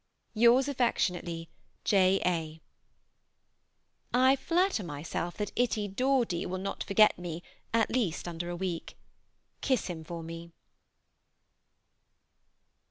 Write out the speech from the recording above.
Yours affectionately, J. A. I flatter myself that itty Dordy will not forget me at least under a week. Kiss him for me.